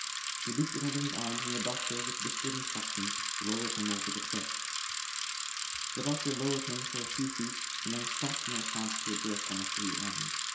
He looped it under his arms and the doctor with whispered instructions, lowered him over the cliff. The doctor lowered him for a few feet and then stopped in response to a jerk on the free end.